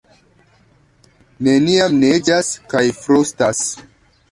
Neniam neĝas kaj frostas.